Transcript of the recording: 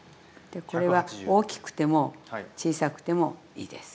これは大きくても小さくてもいいです。